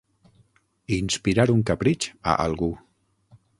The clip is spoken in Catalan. Inspirar un capritx a algú.